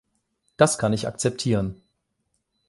Das kann ich akzeptieren.